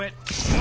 何？